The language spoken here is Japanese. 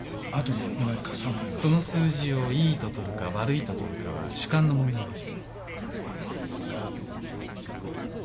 その数字をいいととるか悪いととるかは主観の問題です。